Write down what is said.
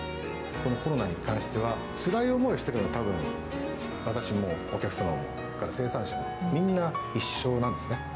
このコロナに関しては、つらい思いをしてるのは、たぶん、私もお客様も、それから生産者も、みんな一緒なんですね。